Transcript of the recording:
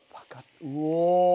うお！